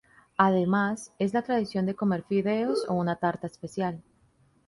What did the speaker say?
Además, es la tradición de comer fideos o una tarta especial.